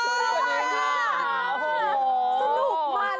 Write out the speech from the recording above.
สนุกมันมาก